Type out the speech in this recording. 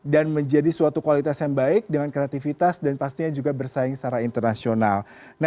dan menjadi suatu kualitas yang baik dengan kreativitas dan pastinya juga bersaing secara internasional